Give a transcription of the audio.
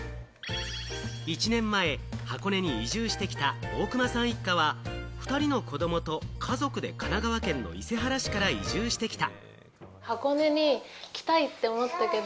１年前、箱根に移住してきた大熊さん一家は、２人の子どもと家族で神奈川県の伊勢原市から移住してきた。